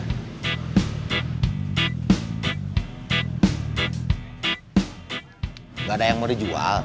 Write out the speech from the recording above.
tidak ada yang mau dijual